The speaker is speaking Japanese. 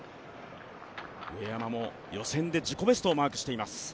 上山も予選で自己ベストをマークしています。